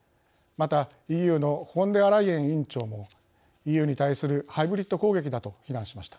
またＥＵのフォンデアライエン委員長もＥＵに対するハイブリッド攻撃だと非難しました。